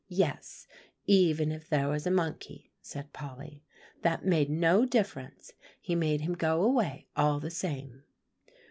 "Yes, even if there was a monkey," said Polly, "that made no difference; he made him go away all the same.